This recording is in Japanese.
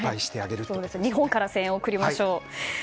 日本から声援を送りましょう。